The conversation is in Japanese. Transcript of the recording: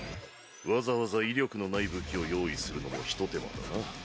わざわざ威力のない武器を用意するのもひと手間だな。